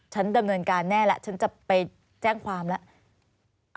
ดำเนินการแน่แล้วฉันจะไปแจ้งความแล้ว